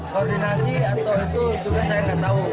koordinasi atau itu juga saya nggak tahu